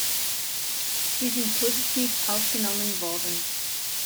Sie sind positiv aufgenommen worden.